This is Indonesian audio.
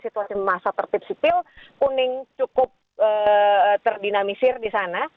situasi masa tertib sipil kuning cukup terdinamisir di sana